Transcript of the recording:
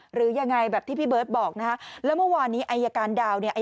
หรือยังไงแบบที่พี่เบิร์ตบอกนะฮะแล้วเมื่อวานนี้อายการดาวเนี่ย